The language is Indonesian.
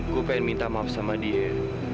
gue pengen minta maaf sama dia